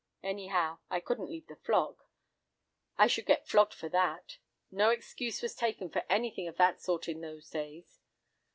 Anyhow, I couldn't leave the flock. I should get flogged for that. No excuse was taken for anything of that sort in those days.